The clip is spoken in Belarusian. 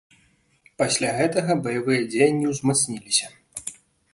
Пасля гэтага баявыя дзеянні ўзмацніліся.